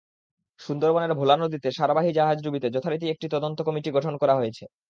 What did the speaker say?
সুন্দরবনের ভোলা নদীতে সারবাহী জাহাজডুবিতে যথারীতি একটি তদন্ত কমিটি গঠন করা হয়েছে।